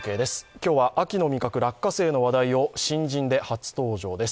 今日は秋の味覚、落花生の話題を新人で初登場です。